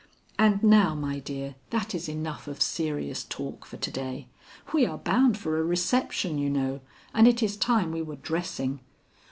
And now, my dear, that is enough of serious talk for to day. We are bound for a reception, you know, and it is time we were dressing.